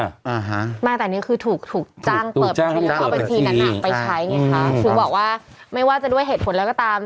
มาตั้งแต่นี่คือถูกจ้างเปิดบัญชีนั้นไปใช้ไงครับถูกบอกว่าไม่ว่าจะด้วยเหตุผลอะไรก็ตาม